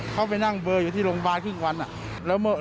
เขาไปนั่งเบอร์อยู่ที่โรงพยาบาลครึ่งวัน